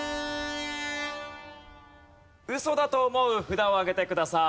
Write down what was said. ウソだと思う札を上げてください。